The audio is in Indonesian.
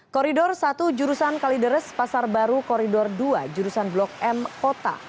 koridor satu jurusan kalideres pasar baru koridor dua jurusan blok m kota